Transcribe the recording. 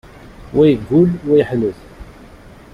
Wa yeggul, wa yeḥnet.